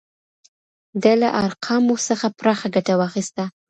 ده له ارقامو څخه پراخه ګټه واخیسته.